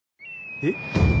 えっ？